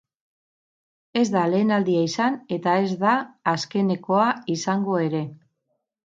Ez da lehen aldia izan eta ez da azkenekoa izango ere.